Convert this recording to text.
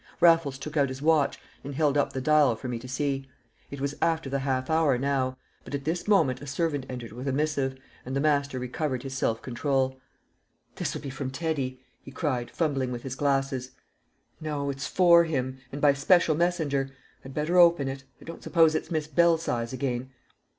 Raffles took out his watch, and held up the dial for me to see. It was after the half hour now; but at this moment a servant entered with a missive, and the master recovered his self control. "This'll be from Teddy!" he cried, fumbling with his glasses. "No; it's for him, and by special messenger. I'd better open it. I don't suppose it's Miss Belsize again."